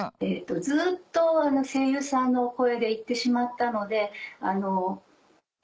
ずっと声優さんのお声で行ってしまったので。